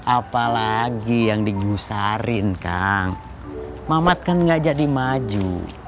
apalagi yang digusarin kang mamat kan gak jadi maju